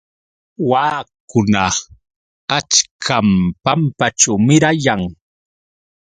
Waakuna achkam pampaćhu mirayan.